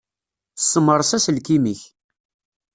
Ssemres aselkim-ik.